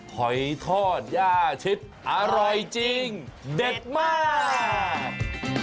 หอยทอดย่าชิดอร่อยจริงเด็ดมาก